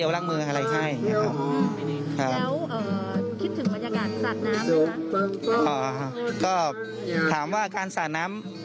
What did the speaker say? คิดถึงบรรยากาศสระน้ำเพราะครับก็ถามว่าการสระน้ำ